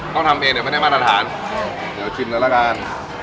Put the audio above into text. ทำเองเดี๋ยวไม่ได้มาตรฐานเดี๋ยวชิมเลยละกัน